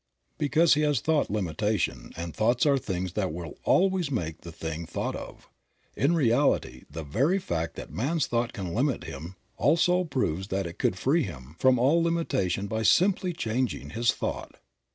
Because he has thought limitation, and thoughts are things and will always make the thing thought of. In reality the very fact that man's thought can limit him also proves that it could free him from all limitation by simply changing his thought.